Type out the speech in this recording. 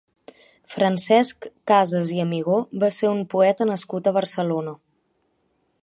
Francesc Casas i Amigó va ser un poeta nascut a Barcelona.